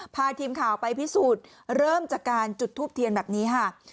พาทีมข่าวไปพิสูจน์เริ่มจากการจุดทูปเทียนแบบนี้ค่ะ